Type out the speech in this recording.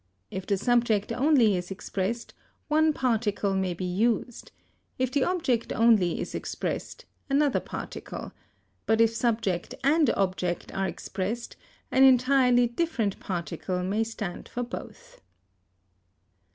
If the subject only is expressed, one particle may be used; if the object only is expressed, another particle; but if subject and object are expressed an entirely different particle may stand for both.